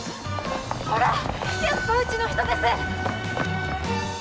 ほらやっぱうちの人です！